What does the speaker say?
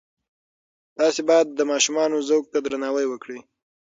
تاسې باید د ماشومانو ذوق ته درناوی وکړئ.